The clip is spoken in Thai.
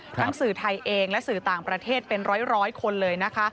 สื่อไทยเองและสื่อต่างประเทศเป็นร้อยคนเลยนะคะ